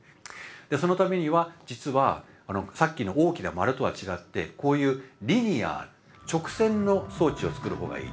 そのためには実はさっきの大きな丸とは違ってこういうリニア直線の装置をつくる方がいい。